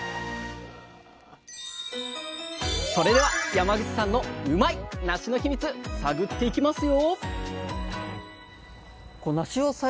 それでは山口さんのうまいッ！なしのヒミツ探っていきますよ！